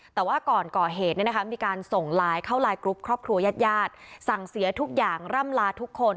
แต่ว่าก่อนก่อเหตุมีการส่งไลน์เข้าไลน์กรุ๊ปครอบครัวยาดสั่งเสียทุกอย่างร่ำลาทุกคน